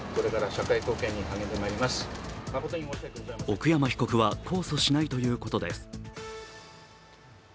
奥山被告は控訴しないということです。